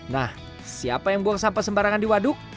nah siapa yang buang sampah sembarangan di waduk